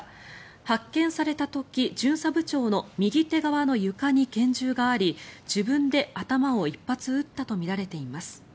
発見された時巡査部長の右手側の床に拳銃があり自分で頭を１発撃ったとみられています。